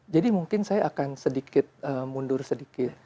jadi mungkin saya akan sedikit mundur sedikit